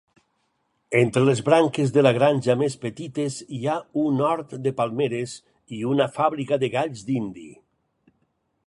Entre les branques de la granja més petites hi ha un hort de palmeres i una fabrica de galls dindi.